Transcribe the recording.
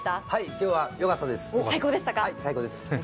今日はよかったです、最高です。